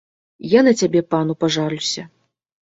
Я на цябе пану пажалюся.